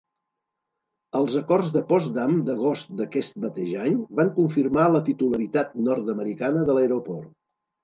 Els acords de Potsdam d'agost d'aquest mateix any van confirmar la titularitat nord-americana de l'aeroport.